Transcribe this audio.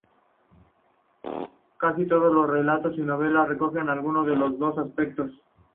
Casi todos los relatos y novelas recogen alguno de los dos aspectos.